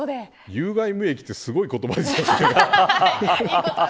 有害無益ってすごい言葉ですよね。